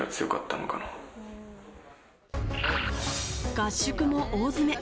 合宿も大詰め。